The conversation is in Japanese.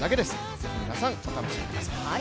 ぜひ皆さん、お楽しみください。